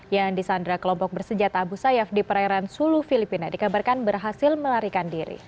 yang disandra kelompok bersenjata abu sayyaf di perairan sulu filipina dikabarkan berhasil melarikan diri